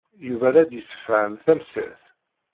Yuba la d-yessefham tamsirt.